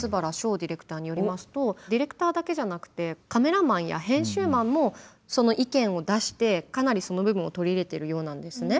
ディレクターによりますとディレクターだけじゃなくてカメラマンや編集マンも意見を出してかなりその部分を取り入れてるようなんですね。